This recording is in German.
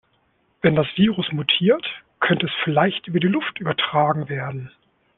Wenn das Virus mutiert, könnte es vielleicht über die Luft übertragen werden.